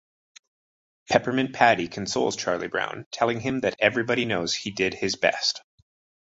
Peppermint Patty consoles Charlie Brown, telling him that everybody knows he did his best.